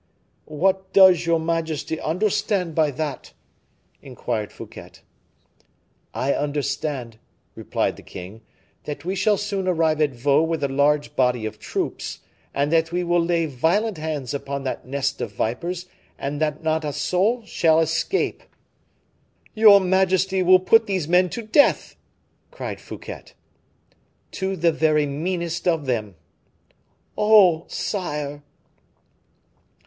"What does your majesty understand by that?" inquired Fouquet. "I understand," replied the king, "that we shall soon arrive at Vaux with a large body of troops, that we will lay violent hands upon that nest of vipers, and that not a soul shall escape." "Your majesty will put these men to death!" cried Fouquet. "To the very meanest of them." "Oh! sire."